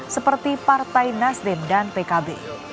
seperti partai nasdem dan pkb